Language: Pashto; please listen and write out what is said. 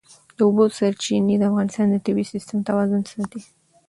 د اوبو سرچینې د افغانستان د طبعي سیسټم توازن ساتي.